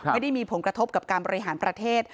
ไม่ได้มีผลกระทบกับการบริหารประเทศ